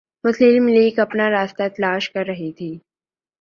مسلم لیگ اپنا راستہ تلاش کررہی تھی۔